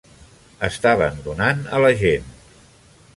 Estaven donant a la gent